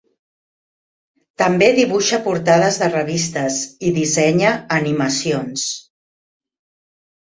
També dibuixa portades de revistes i dissenya animacions.